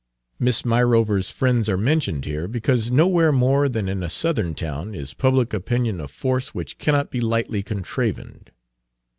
Miss Myrover's friends are mentioned here, because nowhere more than in a Southern town is public opinion a force which cannot be lightly contravened.